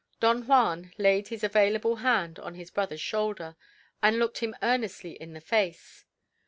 Don Juan laid his available hand on his brother's shoulder, and looked him earnestly in the face.